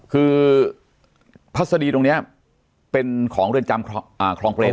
คือพัฒนีตรงนี้เป็นของเรื่องจำครองเกรมเอง